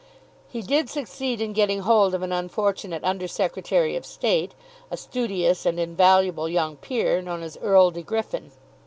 He did succeed in getting hold of an unfortunate under secretary of state, a studious and invaluable young peer, known as Earl De Griffin.